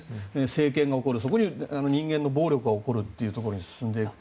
政権が起こるそこに人間の暴力が起こることに進んでいく。